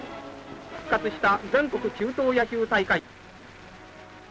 復活した全国中等野球大会。